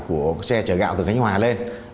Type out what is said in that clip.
của xe chở gạo từ cánh hòa lên